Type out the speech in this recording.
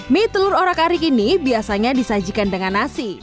mie telur orak arik ini biasanya disajikan dengan nasi